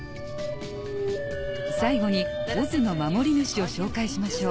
最後にＯＺの守り主を紹介しましょう。